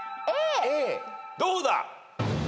どうだ？